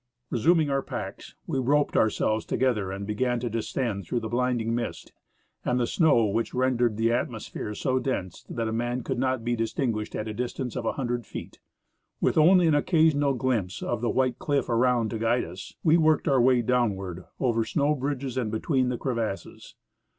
Resuming our packs, we roped ourselves together and began to descend through the blinding mist and snow which rendered the atmosphere so dense that a man could not be distinguished at a distance of a hundred feet. AVith only an occasional glimpse of the white cliff around to guide us, we worked our way down ward over snow bridges and between the crevasses.